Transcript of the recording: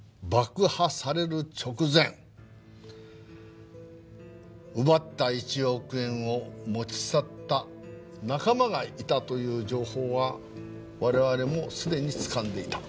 直前奪った１億円を持ち去った仲間がいたという情報は我々もすでに掴んでいた。